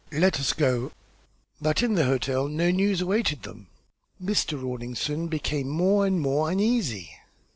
"Let us go." But in the hotel no news awaited them. Mr. Rawlinson became more and more uneasy.